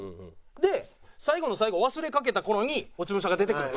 で最後の最後忘れかけた頃に落ち武者が出てくると。